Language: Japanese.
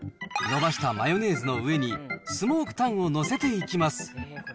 延ばしたマヨネーズの上に、スモークタンを載せていきます。